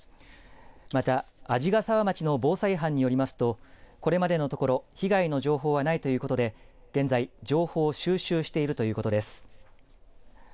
また鰺ヶ沢町の防災班によりますとこれまでのところ被害の情報はないということで現在、情報を収集しているということです。